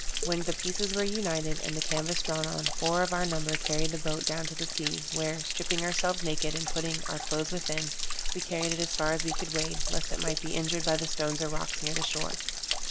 When the pieces were united, and the canvas drawn on, four of our number carried the boat down to the sea, where, stripping ourselves naked, and putting our clothes within, we carried it as far as we could wade, lest it might be injured by the stones or rocks near the shore.